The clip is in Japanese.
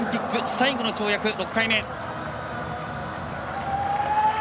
最後の跳躍、６回目。